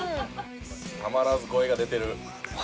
たまらず声が出てる。